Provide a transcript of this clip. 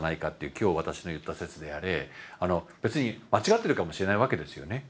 今日私の言った説であれ別に間違ってるかもしれないわけですよね。